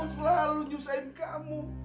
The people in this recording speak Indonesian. selalu nyusahin kamu